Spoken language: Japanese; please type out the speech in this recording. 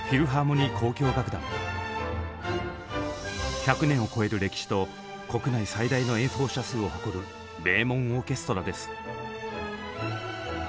１００年を超える歴史と国内最大の演奏者数を誇る名門オーケストラです。